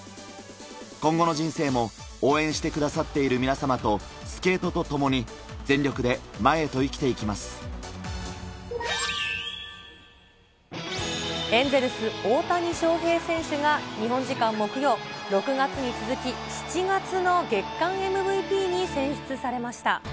今後の人生も応援してくださっている皆様と、スケートと共に全力エンゼルス、大谷翔平選手が日本時間木曜、６月に続き７月の月間ＭＶＰに選出されました。